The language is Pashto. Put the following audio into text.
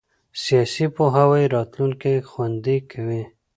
سیاسي پوهاوی راتلونکی خوندي کوي